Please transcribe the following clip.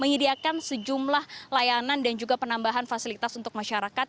menyediakan sejumlah layanan dan juga penambahan fasilitas untuk masyarakat